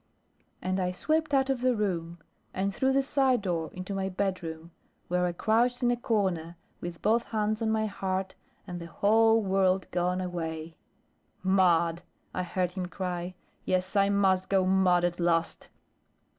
And I swept out of the room, and through the side door into my bed room, where I crouched in a corner, with both hands on my heart, and the whole world gone away. "Mad!" I heard him cry, "yes, I must go mad at last!"